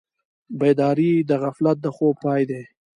بیداري د غفلت د خوب پای دی.